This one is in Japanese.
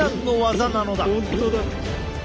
本当だ。